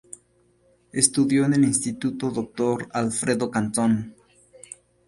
Estudió en el Instituto Dr. Alfredo Cantón.